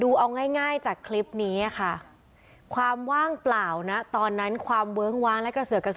อ๋อครับผมจ้ะนี่ละรถผ่านไปไม่มีครับครับตอนนั้นเนี่ยครับ